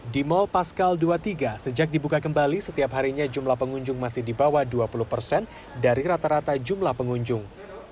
di mall pascal dua puluh tiga sejak dibuka kembali setiap harinya jumlah pengunjung masih di bawah dua puluh persen dari rata rata jumlah pengunjung